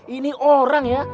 ini orang ya